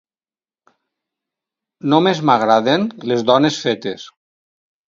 Només m'agraden les dones fetes.